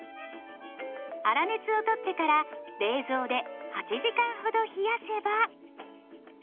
粗熱を取ってから冷蔵で８時間ほど冷やせば。